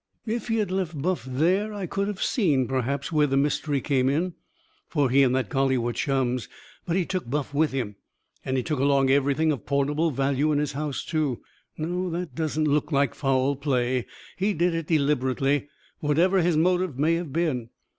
If he had left Buff there I could have seen, perhaps, where the mystery came in. For he and that collie were chums. But he took Buff with him. And he took along everything of portable value in his house, too. No, that doesn't look like foul play. He did it deliberately, whatever his motive may have been.